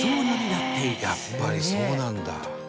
「やっぱりそうなんだ」